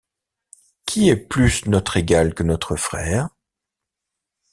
Qui est plus notre égal que notre frère?